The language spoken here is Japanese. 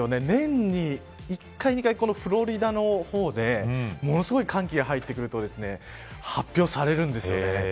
年に１回か２回、フロリダの方でものすごい寒気が入ってくると発表されるんです。